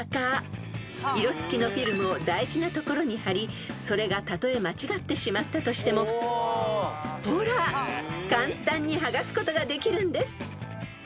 ［色付きのフィルムを大事な所に貼りそれがたとえ間違ってしまったとしてもほら簡単にはがすことができるんです］